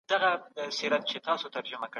له حرامو خوړو څخه ځان وساتئ.